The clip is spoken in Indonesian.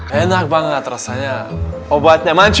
enak banget rasanya obatnya maju